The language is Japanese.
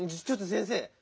ちょっと先生。